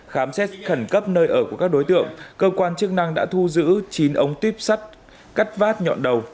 khám xét khẩn cấp nơi ở của các đối tượng cơ quan chức năng đã thu giữ chín ống tuyếp sắt cắt vát nhọn đầu